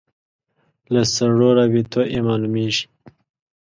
له سړو رابطو یې معلومېږي.